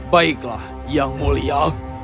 baiklah yang mulia